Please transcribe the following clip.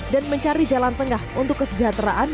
dan mencari jalan tengah untuk kesejahteraan